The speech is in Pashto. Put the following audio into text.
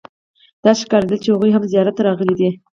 داسې ښکارېدل چې هغوی هم زیارت ته راغلي دي.